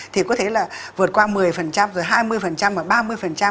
thì có thể là vượt qua một mươi rồi hai mươi và ba mươi